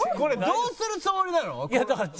どうするつもり？